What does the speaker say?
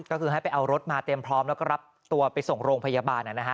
ก็คือให้ไปเอารถมาเตรียมพร้อมแล้วก็รับตัวไปส่งโรงพยาบาลนะฮะ